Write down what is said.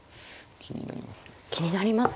気になりますね。